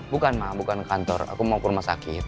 bukan ma bukan ngantor aku mau ke rumah sakit